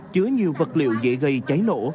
chứa nhiều vật liệu dễ gây cháy nổ